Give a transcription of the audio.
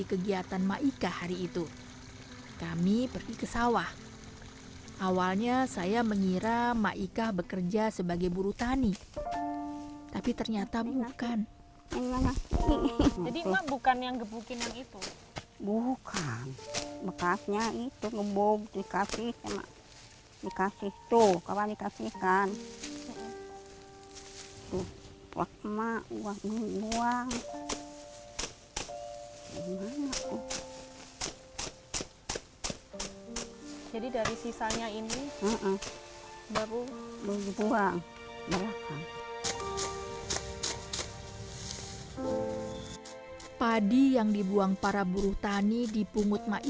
ketika mereka sudah berdua mereka berdua berdua berdua